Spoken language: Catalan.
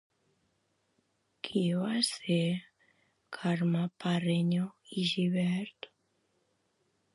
Qui va ser Carme Parreño i Gibert?